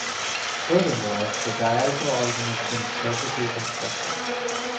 Furthermore, the diagonal argument seems perfectly constructive.